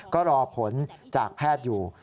ก็รอผลจากแพทย์อยู่